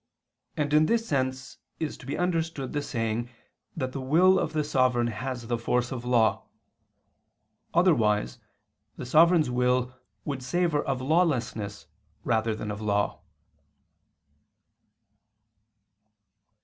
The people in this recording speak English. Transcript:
And in this sense is to be understood the saying that the will of the sovereign has the force of law; otherwise the sovereign's will would savor of lawlessness rather than of law.